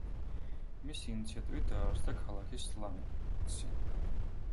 მისი ინიციატივით დაარსდა ქალაქი სლანცი.